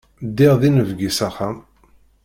Ddiɣ d inebgi s axxam.